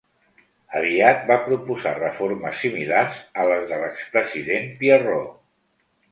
Aviat va proposar reformes similars a les de l'expresident Pierrot.